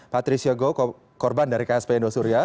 patricia goh korban dari ksp indosuria